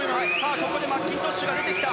ここでマッキントッシュが出てきた。